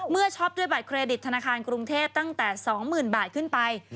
ช็อปด้วยบัตรเครดิตธนาคารกรุงเทพตั้งแต่๒๐๐๐บาทขึ้นไป